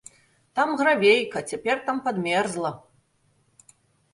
Там гравейка, цяпер там падмерзла.